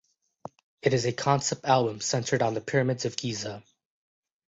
It is a concept album centred on the pyramids of Giza.